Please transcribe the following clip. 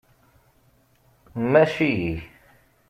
Mmac-iyi.